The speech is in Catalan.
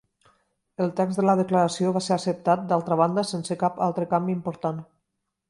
El text de la Declaració va ser acceptat, d'altra banda, sense cap altre canvi important.